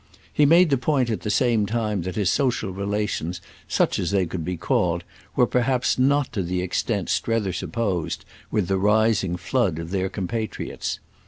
He made the point at the same time that his social relations, such as they could be called, were perhaps not to the extent Strether supposed with the rising flood of their compatriots.